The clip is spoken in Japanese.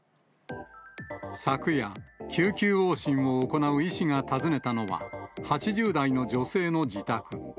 昨夜、救急往診を行う医師が訪ねたのは、８０代の女性の自宅。